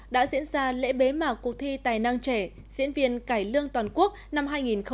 đã diễn ra lễ bế mạc cuộc thi tài năng trẻ diễn viên cải lương toàn quốc năm hai nghìn hai mươi